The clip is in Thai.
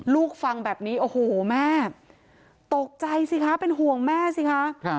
ฟังแบบนี้โอ้โหแม่ตกใจสิคะเป็นห่วงแม่สิคะ